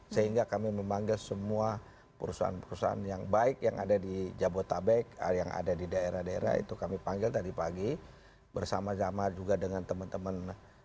sehingga kami memanggil semua perusahaan perusahaan yang baik yang ada di jabodetabek yang ada di daerah daerah itu kami panggil tadi pagi bersama sama juga dengan teman teman